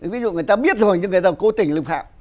ví dụ người ta biết rồi nhưng người ta cố tình lưng phạm